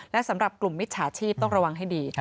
และสำหรับกลุ่มมิจฉาชีพต้องระวังให้ดี